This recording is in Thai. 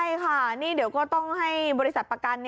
ใช่ค่ะนี่เดี๋ยวก็ต้องให้บริษัทประกัน